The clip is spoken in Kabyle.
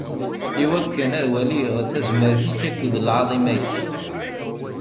Iwakken ad waliɣ tazmert-ik akked lɛaḍima-k.